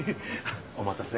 お待たせ。